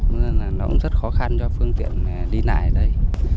nên là nó cũng rất khó khăn cho phương tiện đi lại ở đây